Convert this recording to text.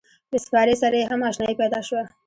له سپارې سره یې هم اشنایي پیدا شوه.